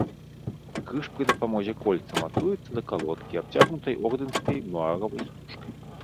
Крыж пры дапамозе кольца мацуецца да калодкі, абцягнутай ордэнскай муаравай стужкай.